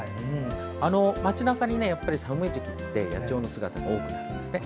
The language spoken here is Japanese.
町なかに寒い時期って野鳥の姿が多くなりますね。